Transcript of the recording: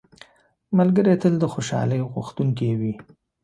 ملګری تل د خوشحالۍ غوښتونکی وي